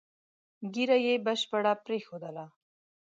ږیره یې بشپړه پرېښودله.